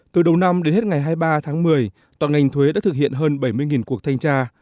từ đầu năm đến hết ngày hai mươi ba tháng một mươi toàn ngành thuế đã thực hiện hơn bảy mươi cuộc thanh tra